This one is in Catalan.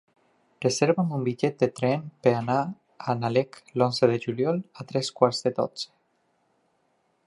Reserva'm un bitllet de tren per anar a Nalec l'onze de juliol a tres quarts de dotze.